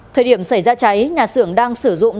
thời điểm xảy ra cháy nhà xưởng đang sử dụng